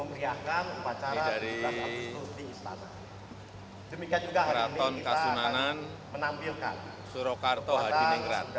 ini dari keraton kasunanan surakarto hadiningrat